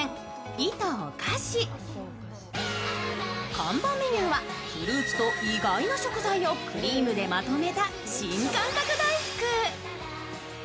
看板メニューはフルーツと意外な食材をクリームでまとめた新感覚大福。